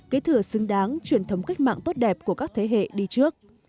kế thừa xứng đáng truyền thống cách mạng tốt đẹp của các thế hệ đi trước